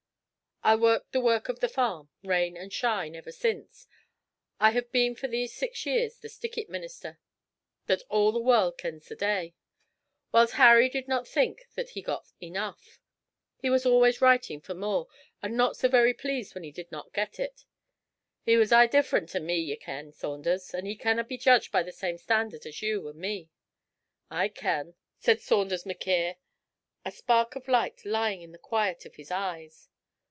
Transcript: I worked the work of the farm, rain and shine, ever since, and have been for these six years the "stickit minister" that all the world kens the day. Whiles Harry did not think that he got enough. He was always writing for more, and not so very pleased when he did not get it. He was aye different to me, ye ken, Saunders, and he canna be judged by the same standard as you and me.' 'I ken,' said Saunders M'Quhirr, a spark of light lying in the quiet of his eyes.